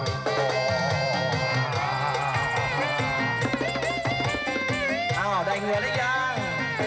เราได้เหนื่อยหรือยัง